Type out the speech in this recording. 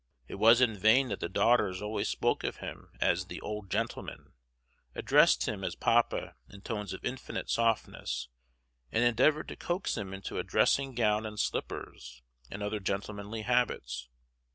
It was in vain that the daughters always spoke of him as "the old gentleman," addressed him as "papa" in tones of infinite softness, and endeavored to coax him into a dressing gown and slippers and other gentlemanly habits.